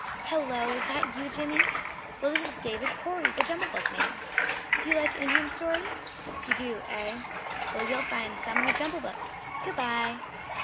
"Hello! Is that you, Jimmy?" "Well, this is David Cory, the JUMBLE BOOKman. Do you like Indian stories? You do, eh? Well, you'll find some in the JUMBLE BOOK. Good by!"